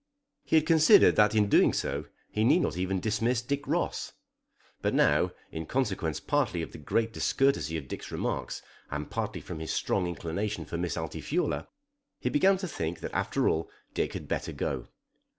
He had considered that in doing so he need not even dismiss Dick Ross. But now, in consequence partly of the great discourtesy of Dick's remarks and partly from his strong inclination for Miss Altifiorla, he began to think that after all Dick had better go.